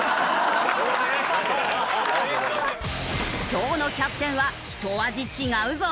今日のキャプテンはひと味違うぞ！